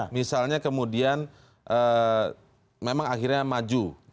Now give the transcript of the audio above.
misalnya kemudian memang akhirnya maju